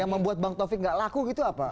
yang membuat bang taufik gak laku gitu apa